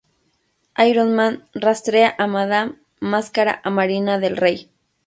Iron Man rastrea a Madame Máscara a Marina del Rey.